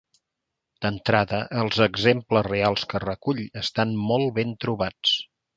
D'entrada, els exemples reals que recull estan molt ben trobats.